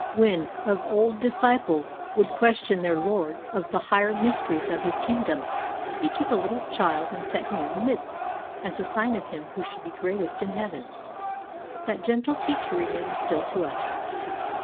When, of old, disciples would question their Lord of the higher mysteries of his kingdom, he took a little child and set him in the midst, as a sign of him who should be greatest in heaven. That gentle teacher remains still to us.